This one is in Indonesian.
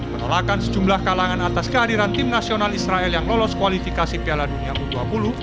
penolakan sejumlah kalangan atas kehadiran tim nasional israel yang lolos kualifikasi piala dunia u dua puluh